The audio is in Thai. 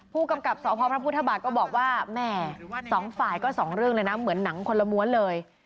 ผู้กำกับสพพระพุทธบาทก็บอกว่าแหม่สองฝ่ายก็สองเรื่องเลยนะเหมือนหนังคนละม้วนเลย